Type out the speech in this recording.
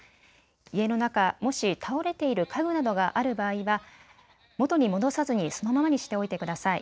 家の中、もし倒れている家具などがある場合は、元に戻さずにそのままにしておいてください。